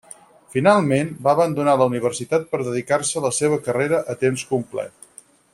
Finalment, va abandonar la universitat per dedicar-se a la seva carrera a temps complet.